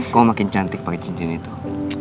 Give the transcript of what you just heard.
kok makin cantik pake cincinnya tuh